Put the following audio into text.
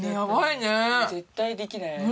絶対できない私。